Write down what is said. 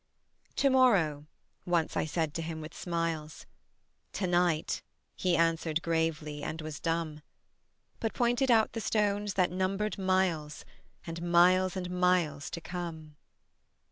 "To morrow," once I said to him with smiles: "To night," he answered gravely and was dumb, But pointed out the stones that numbered miles And miles and miles to come.